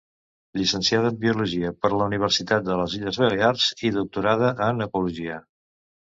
Llicenciada en biologia per la Universitat de les Illes Balears i doctorada en ecologia.